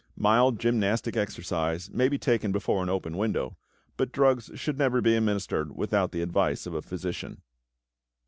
Mild gymnastic exercise may be taken before an open window, but drugs should never be administered without the advice of a physician.